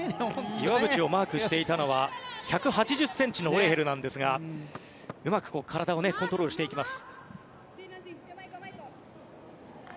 岩渕をマークしていたのは１８０ｃｍのオレヘルなんですがうまく体をコントロールしていきます。